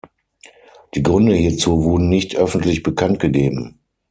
Die Gründe hierzu wurden nicht öffentlich bekanntgegeben.